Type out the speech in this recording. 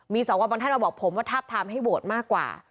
มีสวบางท่านมาบอกผมว่าทาบทามให้โหวตมากกว่า